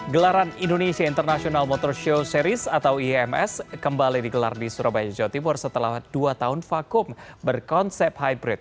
gelaran indonesia international motor show series atau ims kembali digelar di surabaya jawa timur setelah dua tahun vakum berkonsep hybrid